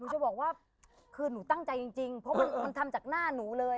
จะบอกว่าคือหนูตั้งใจจริงเพราะมันทำจากหน้าหนูเลย